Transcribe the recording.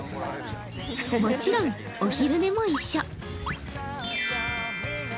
もちろん、お昼寝も一緒。